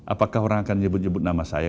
apakah orang akan nyebut nyebut nama saya